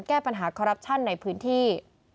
แก้ปัญหาคอรัปชั่นในพื้นที่